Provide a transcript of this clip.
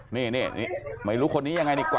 นี่ไม่รู้คนนี้ยังไงดีกว่า